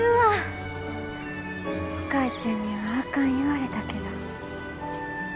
お母ちゃんにはあかん言われたけど。